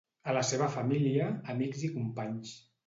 A la seva família, amics i companys.